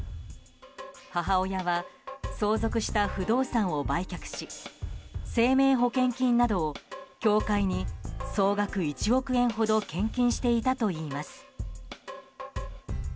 母親は相続した不動産を売却し生命保険金などを教会に総額１億円ほど献金していたといいます。